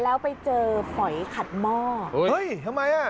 แล้วไปเจอฝอยขัดหม้อ